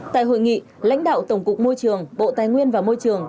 tại hội nghị lãnh đạo tổng cục môi trường bộ tài nguyên và môi trường